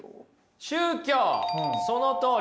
宗教そのとおり。